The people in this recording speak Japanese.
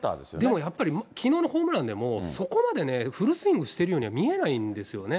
でもやっぱり、きのうのホームランでも、そこまでね、フルスイングしてるようには見えないんですよね。